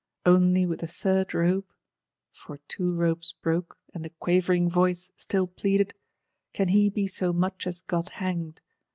Only with the third rope (for two ropes broke, and the quavering voice still pleaded), can he be so much as got hanged!